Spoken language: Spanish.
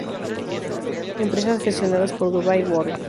Empresas gestionadas por Dubai World